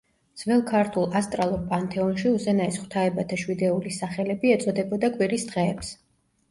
ძველ ქართულ ასტრალურ პანთეონში უზენაეს ღვთაებათა შვიდეულის სახელები ეწოდებოდა კვირის დღეებს.